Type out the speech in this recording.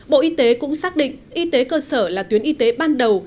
bộ y tế cũng xác định y tế cơ sở là tuyến y tế ban đầu